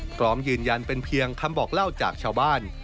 พร้อมยืนยันเป็นเพียงคำบอกเล่าจากชาวบ้าน